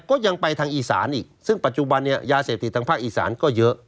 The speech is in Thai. ก็ยังไปทางอีสานอีกซึ่งปัจจุบันเนี่ยยาเสพติดทางภาคอีสานก็เยอะ